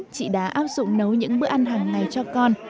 chị đã áp dụng nấu những bữa ăn hàng ngày cho con